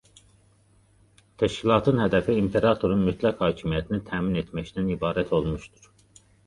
Təşkilatın hədəfi imperatorun mütləq hakimiyyətini təmin etməkdən ibarət olmuşdur.